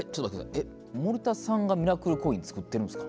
え、森田さんがミラクルコイン作ってるんですか。